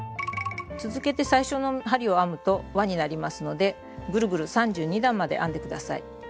続けて最初の針を編むと輪になりますのでぐるぐる３２段まで編んで下さい。